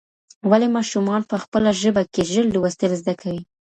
ولي ماشومان په خپله ژبه کي ژر لوستل زده کوي؟